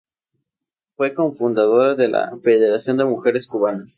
Fue cofundadora de la Federación de Mujeres Cubanas.